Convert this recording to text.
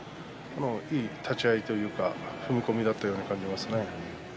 いい立ち合いというか踏み込みだったような感じですね。